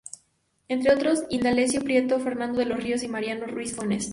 Entre otros, Indalecio Prieto, Fernando de los Ríos y Mariano Ruiz-Funes.